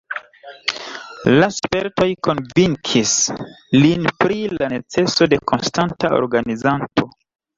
La spertoj konvinkis lin pri la neceso de konstanta organizanto.